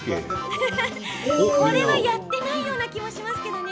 これはやってないような気もしますけどね。